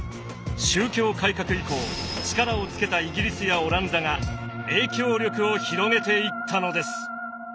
宗教改革以降力をつけたイギリスやオランダが影響力を広げていったのです。